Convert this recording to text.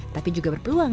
tapi juga berpeluang juga